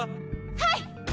はい！